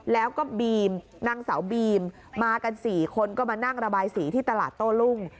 แล้วก็บีมนางสาวบีมมากัน๔คนก็มานั่งระบายสีที่ตลาดโต้รุ่ง